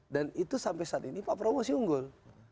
dan itu sampai saat ini pak prowo sih unggul